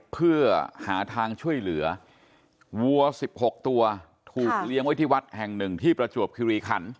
เพื่อหาทางช่วยเหลือวัว๑๖ตัวถูกเลี้ยงไว้ที่วัดแห่งหนึ่งที่ประจวบคิริขัน